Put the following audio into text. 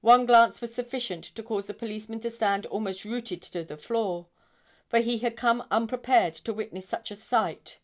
One glance was sufficient to cause the policeman to stand almost rooted to the floor, for he had come unprepared to witness such a sight.